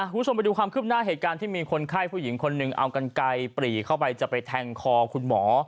คุณผู้ชมไปดูความคืบหน้าเหตุการณ์ที่มีคนไข้ผู้หญิงคนหนึ่งเอากันไกลปรีเข้าไปจะไปแทงคอคุณหมอ